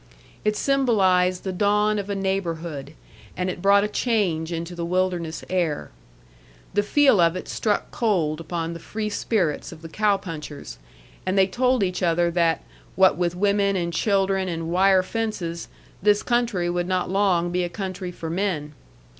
It symbolized the dawn of a neighborhood, and it brought a change into the wilderness air. The feel of it struck cold upon the free spirits of the cow punchers, and they told each other that, what with women and children and wire fences, this country would not long be a country for men.